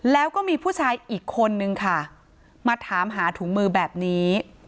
แล้วก็มีผู้ชายอีกคนนึงค่ะมาถามหาถุงมือแบบนี้